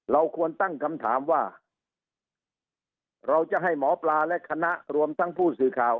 เราควรตั้งคำถามว่าเราจะให้หมอปลาและคณะรวมทั้งผู้สื่อข่าว